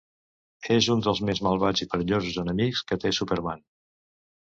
És un dels més malvats i perillosos enemics que té Superman.